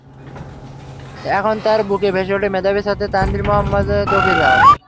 এখন তার বুকে ভেসে ওঠে মেধাবী ছাত্র তানভীর মোহাম্মদ ত্বকীর লাশ।